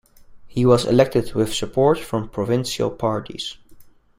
He was elected with support from provincial parties.